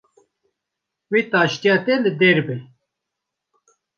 Wê taştiya te li der be